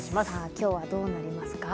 今日はどうなりますか？